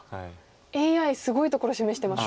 ＡＩすごいところ示してます。